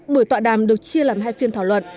buổi tọa đàm được chia làm hai phiên thảo luận